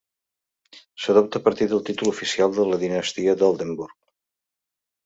S'adopta a partir del títol oficial de la dinastia d'Oldenburg.